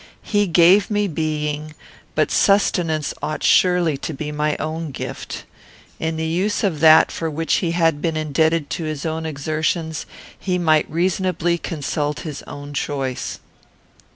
He gave me being, but sustenance ought surely to be my own gift. In the use of that for which he had been indebted to his own exertions, he might reasonably consult his own choice.